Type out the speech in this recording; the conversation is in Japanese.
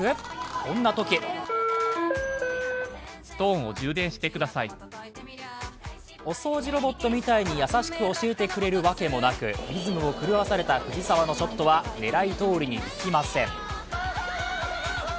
こんなときお掃除ロボットみたいに優しく教えてくれるはずもなく、リズムを狂わされた藤澤のショットは狙いどおりにいきません。